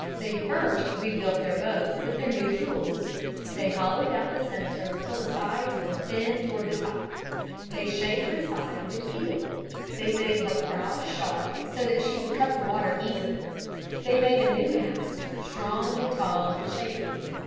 They first rebuilt their boat with their new tools. They hollowed out the center till the sides were thin toward the top. They shaped her sides and keel. They made her prow sharp so that she would cut the water easily. They made a new mast, strong and tall and shapely.